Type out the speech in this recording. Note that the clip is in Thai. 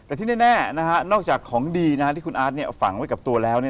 แต่ที่แน่นอกจากของดีที่คุณอาร์ตฝังไว้กับตัวแล้ว